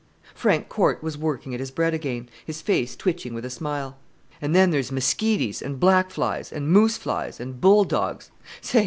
Frank Corte was working at his bread again, his face twitching with a smile. "And then there's miskities, and black flies, and moose flies, and bull dogs. Say!